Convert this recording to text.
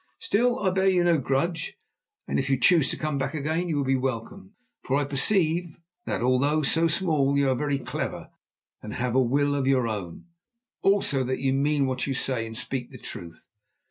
Still, I bear you no grudge, and if you choose to come back again, you will be welcome, for I perceive that, although so small, you are very clever and have a will of your own; also that you mean what you say and speak the truth.